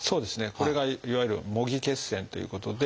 これがいわゆる「模擬血栓」ということで。